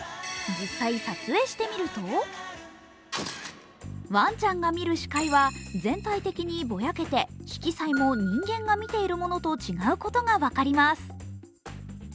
実際撮影してみるとワンちゃんが見る視界は全体的にぼやけて色彩も人間が見ているものと違うことが分かります。